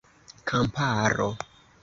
kamparo